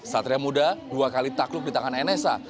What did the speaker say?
satria muda dua kali takluk di tangan nsa